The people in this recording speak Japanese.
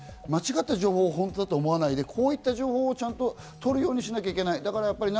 間違った情報を本当だと思わないで、こういった情報をちゃんと取るようにしなけいけない。